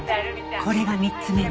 これが３つ目ね。